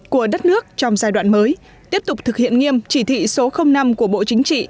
của đất nước trong giai đoạn mới tiếp tục thực hiện nghiêm chỉ thị số năm của bộ chính trị